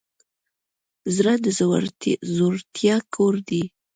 زړه د زړورتیا کور دی.